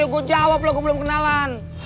gua jawab lah gua belum kenalan